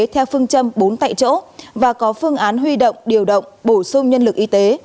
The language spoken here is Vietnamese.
theo phương châm bốn tại chỗ và có phương án huy động điều động bổ sung nhân lực y tế